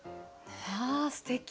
わあすてき。